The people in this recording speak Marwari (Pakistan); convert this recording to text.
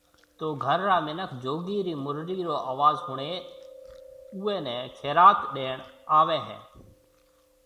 تو گھر را منک جوگي ري مُرلي رو آواز ۿڻي اوئي خيريئات ڏيڻ آوي ھيَََ